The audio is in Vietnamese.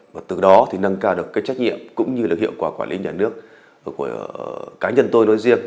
và từ đó thì nâng cao được cái trách nhiệm cũng như là hiệu quả quản lý nhà nước của cá nhân tôi nói riêng